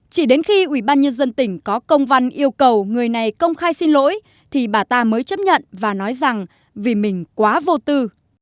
chỉ đến khi ubnd tỉnh có công văn yêu cầu người này công khai xin lỗi thì bà ta mới chấp nhận và nói rằng vì mình quá vô tư